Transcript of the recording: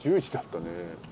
１０時だったね。